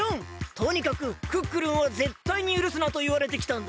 とにかくクックルンをぜったいにゆるすなといわれてきたんだ。